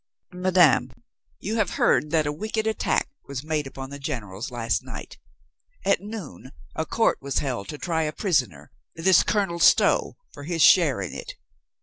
"Madame, you have heard that a wicked attack was made upon the generals last night. At noon a court was held to try a prisoner, this Colonel Stow, for his share in it.